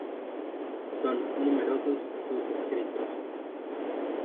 Son numerosos sus escritos.